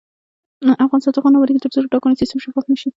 افغانستان تر هغو نه ابادیږي، ترڅو د ټاکنو سیستم شفاف نشي.